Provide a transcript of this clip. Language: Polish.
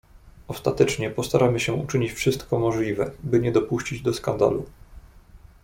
"Ostatecznie postaramy się uczynić wszystko możliwe, by nie dopuścić do skandalu."